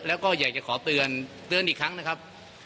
แล้วก็อยากจะขอเตือนเตือนอีกครั้งนะครับ